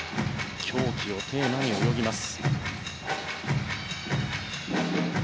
狂気をテーマに泳ぎます。